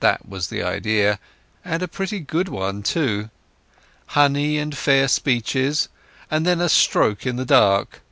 That was the idea, and a pretty good one too. Honey and fair speeches, and then a stroke in the dark.